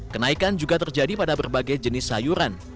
kenaikan juga terjadi pada berbagai jenis sayuran